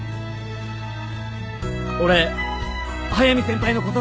俺速見先輩のことが。